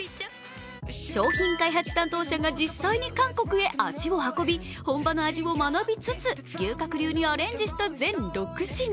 商品開発担当者が実際に韓国へ足を運び、本場の味を学びつつ、牛角流にアレンジした全６品。